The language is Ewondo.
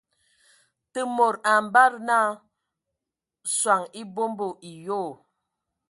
Te mod a ambada nə soŋ e abombo e yoo.